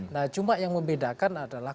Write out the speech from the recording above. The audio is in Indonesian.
nah cuma yang membedakan adalah